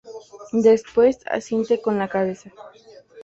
después, asiente con la cabeza